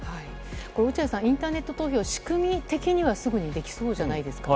落合さん、インターネット投票、仕組み的には、すぐにできそうじゃないですか。